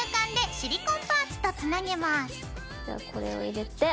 これを入れて。